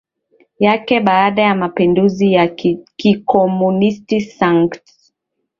yake baada ya mapinduzi ya kikomunisti Sankt